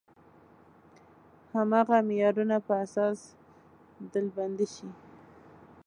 هماغه معیارونو پر اساس ډلبندي شي.